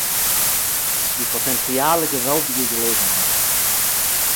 די פּאָטענציעלע געוואַלדיגע געלעגנהייט